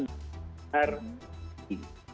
di rumah tersebut